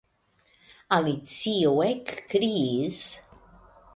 Alicio ekkriis.